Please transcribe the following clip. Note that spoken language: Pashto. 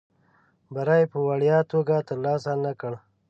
بری یې په وړیا توګه ترلاسه نه کړ.